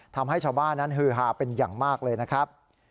ทำให้ชาวบ้านนั้นฮือฮาเป็นอย่างมากเลยนะครับ